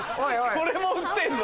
これも売ってんの？